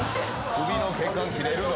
首の血管切れるど。